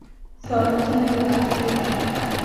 ساعت ته مې وکتلې.